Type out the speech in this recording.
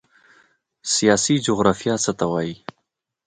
سیاسي جغرافیه څه ته وایي؟